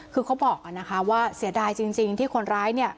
คือเขาบอกนะคะว่าเสียดายจริงที่คนร้ายเนี่ย